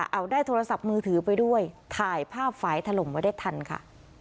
เอาได้โทรศัพท์มือถือไปด้วยถ่ายภาพฝ่ายถล่มไว้ได้ทันค่ะ